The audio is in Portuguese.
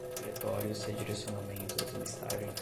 diretórios, redirecionamentos, listagens